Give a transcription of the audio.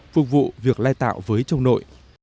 phục vụ việc lai tạo với châu nội